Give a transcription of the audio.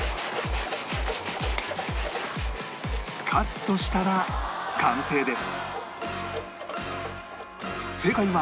カットしたら完成です